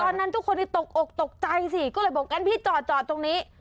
ตอนนั้นทุกคนตกอกตกใจสิก็เลยบอกพี่จอดตรงนี้